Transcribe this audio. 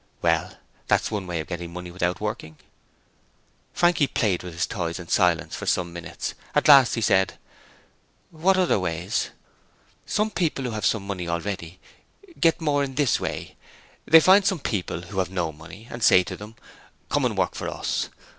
Well, that's one way of getting money without working. Frankie played with his toys in silence for some minutes. At last he said: 'What other ways?' 'Some people who have some money already get more in this way: they find some people who have no money and say to them, "Come and work for us."